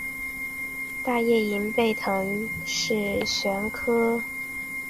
大叶银背藤是旋花科银背藤属的植物。